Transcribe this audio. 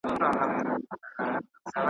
زما د حُسن له بغداده رنګین سوي دي نکلونه .